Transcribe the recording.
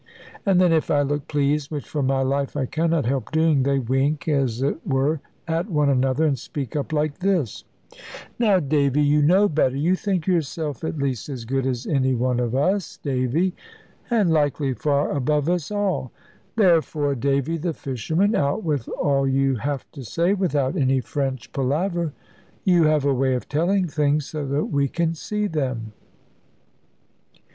And then if I look pleased (which for my life I cannot help doing), they wink, as it were, at one another, and speak up like this: "Now, Davy, you know better. You think yourself at least as good as any one of us, Davy, and likely far above us all. Therefore, Davy the fisherman, out with all you have to say, without any French palaver. You have a way of telling things so that we can see them."